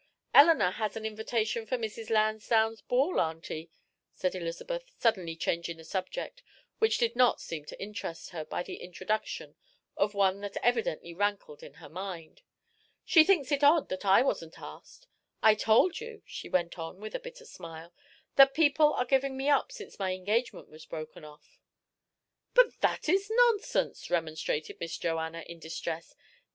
"Eleanor has an invitation for Mrs. Lansdowne's ball, auntie," said Elizabeth, suddenly changing the subject, which did not seem to interest her, by the introduction of one that evidently rankled in her mind. "She thinks it is odd I wasn't asked. I told you," she went on, with a bitter smile, "that people are giving me up since my engagement was broken off." "But that is nonsense," remonstrated Miss Joanna, in distress.